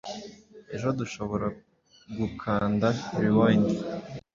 Ejo dushobora gukanda rewind